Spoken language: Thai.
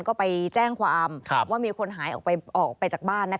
ก็ไปแจ้งความว่ามีคนหายออกไปจากบ้าน